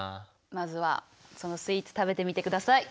まずはそのスイーツ食べてみてください。